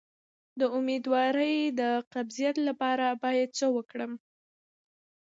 د امیدوارۍ د قبضیت لپاره باید څه وکړم؟